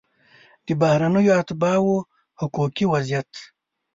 د بهرنیو اتباعو حقوقي وضعیت